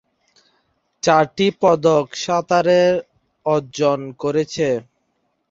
চারটি পদক সাঁতারে অর্জন করেছে।